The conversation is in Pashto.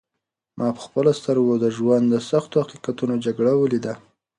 ما په خپلو سترګو کې د ژوند د سختو حقیقتونو جګړه ولیده.